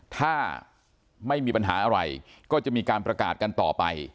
ถ้าไม่มีปัญหาอะไรก็จะมีการประกาศกันต่อไป